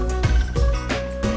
gak ada ya